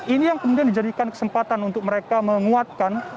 ini yang kemudian dijadikan kesempatan untuk mereka menguatkan